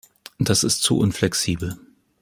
Das ist zu unflexibel.